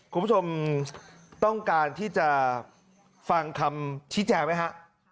คุณผู้ชมต้องการที่จะฟังคำชี้แจงไหมฮะ